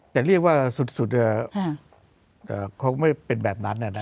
แต่เรียกว่าสุดคงไม่เป็นแบบนั้น